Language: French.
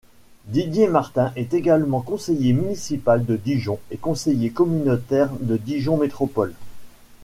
Didier Martin est également conseiller municipal de Dijon et conseiller communautaire de Dijon Métropole.